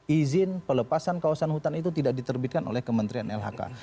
izin pelepasan kawasan hutan itu tidak diterbitkan oleh kementerian lhk